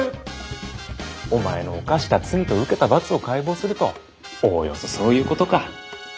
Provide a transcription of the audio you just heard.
お前の犯した罪と受けた罰を解剖するとおおよそそういうことか？